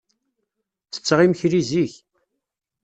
Ttetteɣ imekli zik.